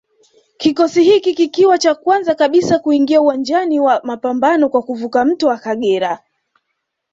Kikosi hiki kikiwa cha kwanza kabisa kuingia uwanja wa mapambano kwa kuvuka mto Kagera